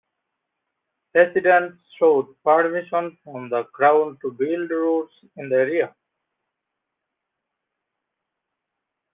Residents sought permission from the Crown to build roads in the area.